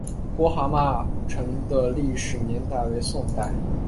郭蛤蟆城的历史年代为宋代。